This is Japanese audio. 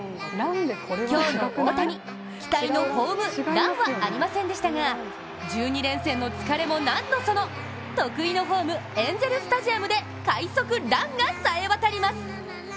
今日の大谷、期待のホーム「ラン」はありませんでしたが、１２連戦の疲れも何のその、得意のホーム、エンゼル・スタジアムで快速ランがさえ渡ります。